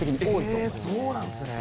そうなんですね。